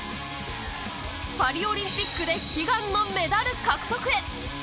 パリオリンピックで悲願のメダル獲得へ。